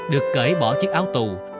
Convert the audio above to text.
được kể bỏ chiếc áo tù